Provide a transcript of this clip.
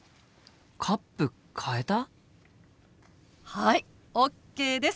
はいＯＫです！